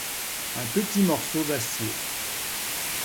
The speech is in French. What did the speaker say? Un petit morceau d'acier.